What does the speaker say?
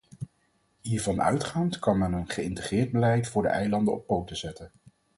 Hiervan uitgaand kan men een geïntegreerd beleid voor de eilanden op poten zetten.